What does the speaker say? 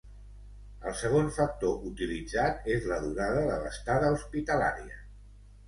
El segon factor utilitzat és la durada de l'estada hospitalària.